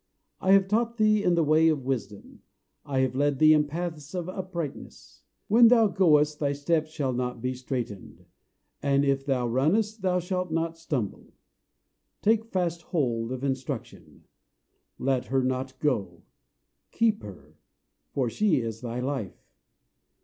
I have taught thee in the way of wisdom; I have led thee in paths of uprightness. When thou goest, thy steps shall not be straitened; And if thou runnest, thou shalt not stumble. Take fast hold of instruction; Let her not go: Keep her; For she is thy life.